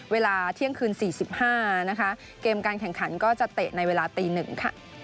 เวลาเที่ยงคืน๔๕นะคะเกมการแข่งขันก็จะเตะในเวลาตีหนึ่งค่ะ